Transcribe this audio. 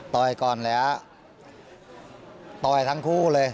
ก่อนแล้วต่อยทั้งคู่เลย